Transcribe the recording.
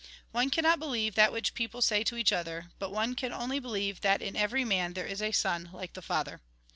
" One cannot believe that which people say to each other, but one can only believe that in every man there is a Son like the Father."